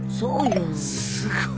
すごい。